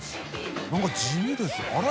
何か地味ですねあれ？